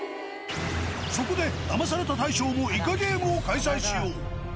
そこで、ダマされた大賞もイカゲームを開催しよう。